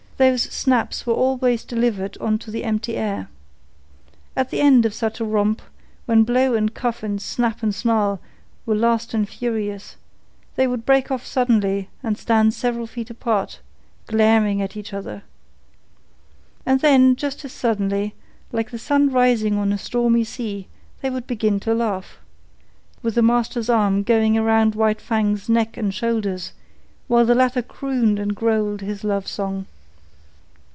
Those snaps were always delivered on the empty air. At the end of such a romp, when blow and cuff and snap and snarl were fast and furious, they would break off suddenly and stand several feet apart, glaring at each other. And then, just as suddenly, like the sun rising on a stormy sea, they would begin to laugh. This would always culminate with the master's arms going around White Fang's neck and shoulders while the latter crooned and growled his love song.